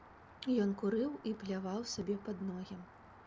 Ён курыў і пляваў сабе пад ногі.